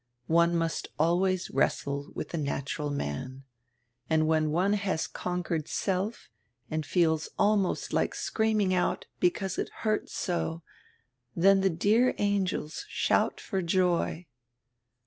One must always wrestle with die natural man. And when one has conquered self and feels almost like screaming out, because it hurts so, then die dear angels shout for joy."